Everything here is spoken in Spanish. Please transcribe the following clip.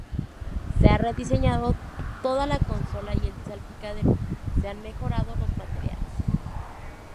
Se ha rediseñado toda la consola y el salpicadero, se han mejorado los materiales.